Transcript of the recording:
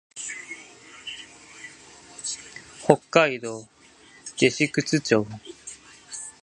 北海道弟子屈町